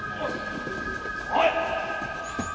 おい！